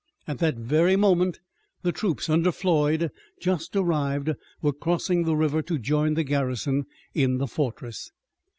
At that very moment the troops under Floyd, just arrived, were crossing the river to join the garrison in the fortress.